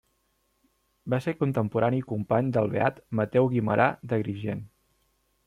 Va ser contemporani i company del beat Mateu Guimerà d'Agrigent.